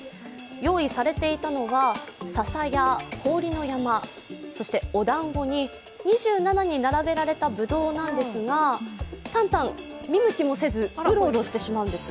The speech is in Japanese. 用意されていたのは笹や氷の山、おだんごに２７に並べられたぶどうなんですがタンタン、見向きもせず、うろうろしてしまうんです。